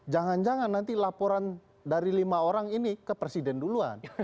jangan jangan nanti laporan dari lima orang ini ke presiden duluan